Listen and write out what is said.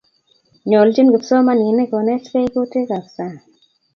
nyolchin kipsomaninik konetkei koteekab sang